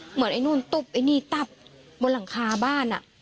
เหมือนไอ้นู่นตุ๊บไอ้นี่ตับบนหลังคาบ้าน